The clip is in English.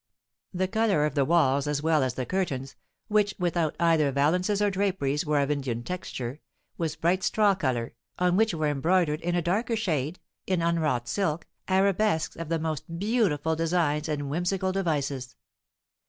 The colour of the walls as well as the curtains (which, without either valances or draperies, were of Indian texture) was bright straw colour, on which were embroidered, in a darker shade, in unwrought silk, arabesques of the most beautiful designs and whimsical devices.